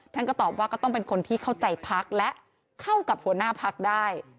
ท่านก็ตอบว่าก็ต้องเป็นคนที่เข้าใจพักและเข้ากับหัวหน้าพักได้